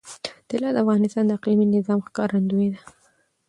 طلا د افغانستان د اقلیمي نظام ښکارندوی ده.